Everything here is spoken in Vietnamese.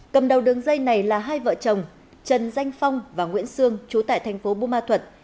cầm đầu đường dây này là hai vợ chồng trần danh phong và nguyễn sương trú tại thành phố bù ma thuật